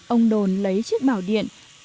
ông đồn lấy chiếc bảo điện